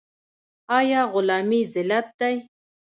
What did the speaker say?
آیا غلامي ذلت دی؟